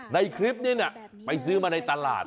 ในคลิปนี้น่ะไปซื้อมาในตลาด